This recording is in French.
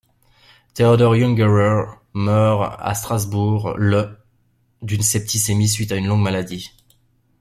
Théodore Ungerer meurt à Strasbourg le d'une septicémie suite à une longue maladie.